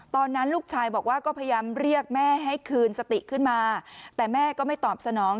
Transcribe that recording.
ตอนนั้นลูกชายบอกว่าก็พยายามเรียกแม่ให้คืนสติขึ้นมาแต่แม่ก็ไม่ตอบสนอง